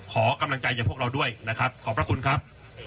ขอกำลังใจอย่างพวกเราด้วยนะครับขอบพระคุณครับ